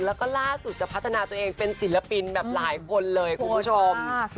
แล้วก็ล่าสุดจะพัฒนาตัวเองเป็นศิลปินแบบหลายคนเลยคุณผู้ชม